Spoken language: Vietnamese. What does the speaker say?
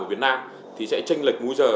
ở việt nam thì sẽ tranh lệch mũi giờ